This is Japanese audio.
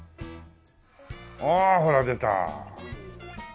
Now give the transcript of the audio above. ああほら出た。